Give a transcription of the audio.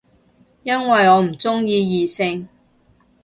因為我唔鍾意異性